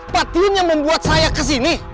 pak tiyun yang membuat saya kesini